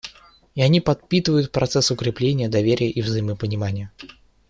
И они подпитывают процесс укрепления доверия и взаимопонимания.